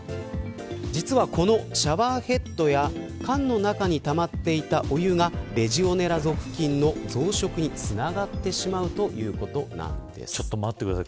実は、このシャワーヘッドや菅の中にたまっていたお湯がレジオネラ属菌の増殖につながってしまうちょっと待ってください